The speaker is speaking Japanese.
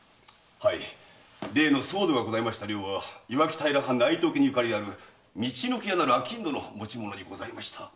例の騒動がございました寮は磐城平藩内藤家に縁ある陸奥屋なる商人の持ち物にございました。